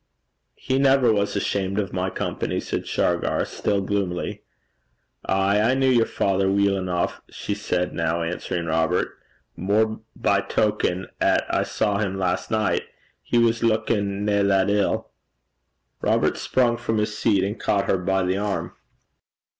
'He never was ashamed of my company,' said Shargar, still gloomily. 'Ay, I kent yer father weel eneuch,' she said, now answering Robert 'mair by token 'at I saw him last nicht. He was luikin' nae that ill.' Robert sprung from his seat, and caught her by the arm.